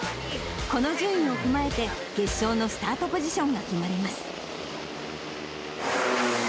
この順位を踏まえて決勝のスタートポジションが決まります。